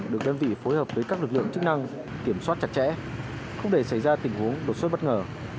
được đơn vị phối hợp với các lực lượng chức năng kiểm soát chặt chẽ không để xảy ra tình huống đột xuất bất ngờ